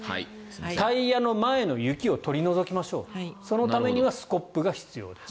タイヤの前の雪を取り除きましょうそのためにはスコップが必要です。